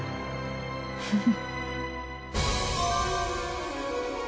フフ。